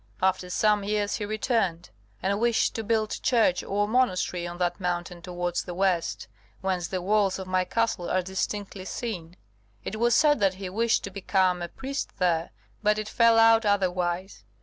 After some years he returned, and wished to build a church or monastery on that mountain towards the west, whence the walls of my castle are distinctly seen. It was said that he wished to become a priest there, but it fell out otherwise.